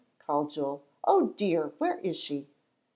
called Joel. "O dear! Where is she?"